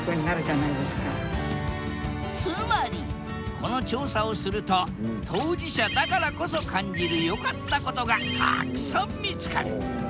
この調査をすると当事者だからこそ感じる良かったことがたっくさん見つかる。